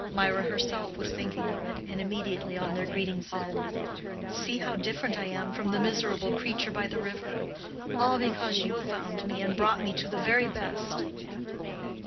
Mirah herself was thinking of it, and immediately on their greeting said, "See how different I am from the miserable creature by the river! all because you found me and brought me to the very best."